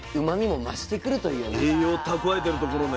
栄養たくわえてるところね。